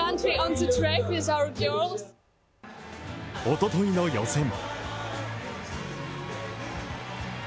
おとといの予選